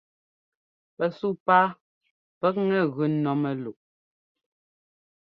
Pɛsuu páa pʉkŋɛ gʉ ɛ́nɔ́ mɛ́luʼ.